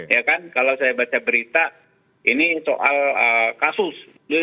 ya kan kalau saya baca berita ini soal kasus